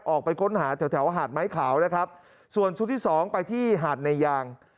ออกไปค้นหาแถวแถวหาดไม้ขาวนะครับส่วนชุดที่สองไปที่หาดในยาง